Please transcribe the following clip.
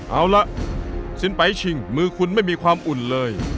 เอาล่ะสินไปชิงมือคุณไม่มีความอุ่นเลย